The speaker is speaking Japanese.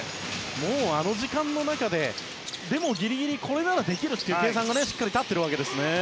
もうあの時間の中でギリギリこれならできるという計算がしっかり立っているわけですね。